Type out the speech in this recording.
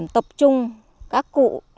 tập trung các cụ